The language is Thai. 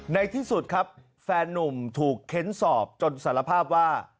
ในที่สุดครับแฟนนุ่มถูกเค้นสอบจนสารภาพว่า